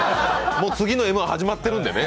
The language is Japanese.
もう次のＭ−１始まってるのでね。